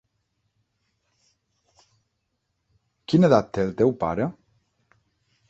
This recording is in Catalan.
Quina edat té el teu pare?